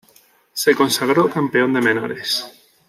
Se consagró Campeón de Menores.